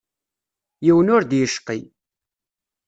Yiwen ur d-yecqi.